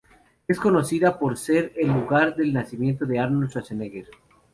Es conocida por ser el lugar de nacimiento de Arnold Schwarzenegger.